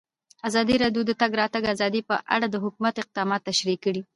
ازادي راډیو د د تګ راتګ ازادي په اړه د حکومت اقدامات تشریح کړي.